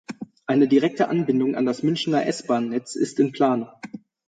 Eine direkte Anbindung an das Münchener S-Bahn-Netz ist in Planung.